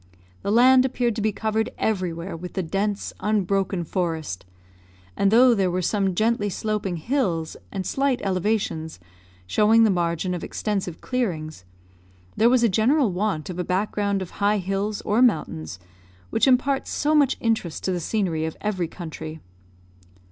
The land appeared to be covered everywhere with the dense unbroken forest, and though there were some gently sloping hills and slight elevations, showing the margin of extensive clearings, there was a general want of a background of high hills or mountains, which imparts so much interest to the scenery of every country.